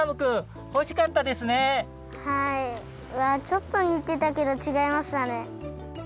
はいちょっとにてたけどちがいましたね。